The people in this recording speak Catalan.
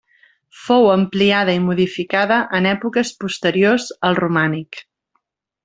Fou ampliada i modificada en èpoques posteriors al romànic.